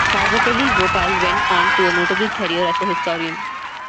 Sarvepalli Gopal went on to a notable career as a historian.